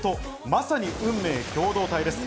まさに運命共同体です。